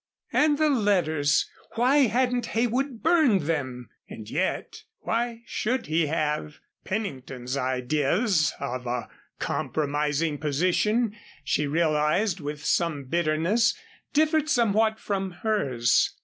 And the letters. Why hadn't Heywood burned them? And yet why should he have? Pennington's ideas of a compromising position she realized, with some bitterness, differed somewhat from hers.